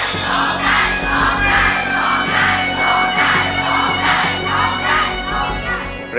โทษใจโทษใจโทษใจ